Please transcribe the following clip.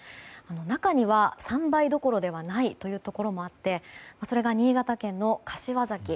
中には３倍どころではないというところもあってそれが新潟県の柏崎。